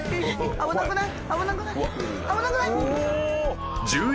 危なくない？